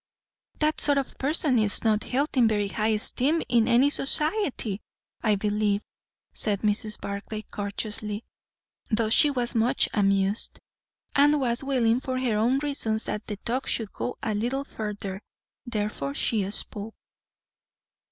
"That sort of person is not held in very high esteem in any society, I believe," said Mrs. Barclay courteously; though she was much amused, and was willing for her own reasons that the talk should go a little further. Therefore she spoke.